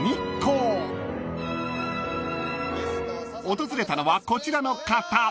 ［訪れたのはこちらの方］